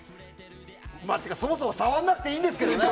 そもそも触らなくていいんですけどね。